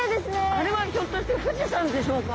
あれはひょっとして富士山でしょうか？